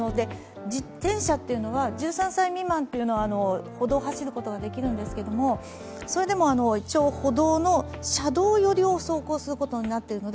自転車っていうのは１３歳未満は歩道を走ることができるんですけれどもそれでも歩道の車道よりを走行することになっているので、